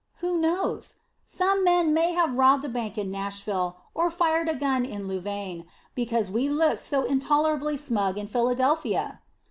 Who knows? Some man may have robbed a bank in Nashville or fired a gun in Louvain because we looked so intolerably smug in Philadelphia!